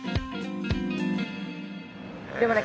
でもね